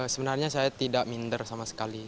sebenarnya saya tidak minder sama sekali